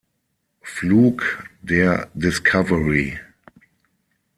Flug der Discovery.